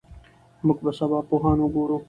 موږ به سبا پوهان وګورو.